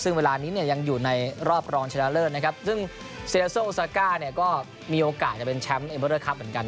ซึ่งเวลานี้เนี่ยยังอยู่ในรอบรองชนะเลิศนะครับซึ่งเซียโซโอซาก้าเนี่ยก็มีโอกาสจะเป็นแชมป์เอเบอร์เดอร์ครับเหมือนกัน